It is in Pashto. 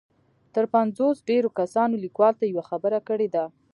تر پنځوس ډېرو کسانو ليکوال ته يوه خبره کړې ده.